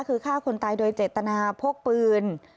คือฆ่าคนตายโดยเจตนาพกปืน